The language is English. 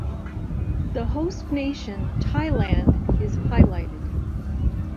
The host nation, Thailand, is highlighted.